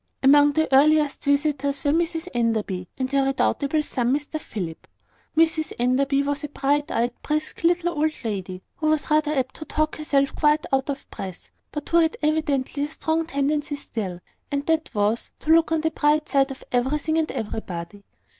Among the earliest visitors were Mrs Enderby and her redoubtable son, Mr Philip. Mrs Enderby was a bright eyed, brisk, little old lady, who was rather apt to talk herself quite out of breath, but who had evidently a stronger tendency still; and that was, to look on the bright side of everything and everybody.